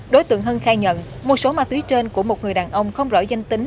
đối tượng hưng khai nhận một số ma túy trên của một người đàn ông không rõ danh tính